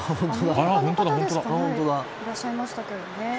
アメリカの方ですかねいらっしゃいましたけどね。